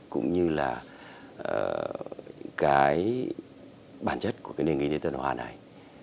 cũng như là cái bản chất của cái nền kinh tế tuần hoàn này